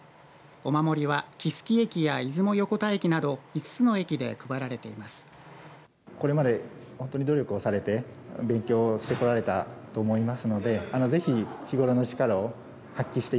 お守りは木次駅や出雲横田駅など５つの駅で配られています。